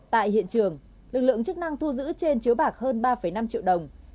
tại hiện trường lực lượng chức năng thu giữ trên chiếu bạc hơn ba năm triệu đồng